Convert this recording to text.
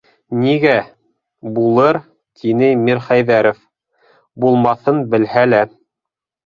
Нигә... булыр, - тине Мирхәйҙәров, булмаҫын белһә лә.